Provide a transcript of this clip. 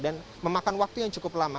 memakan waktu yang cukup lama